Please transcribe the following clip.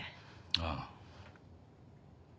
ああ。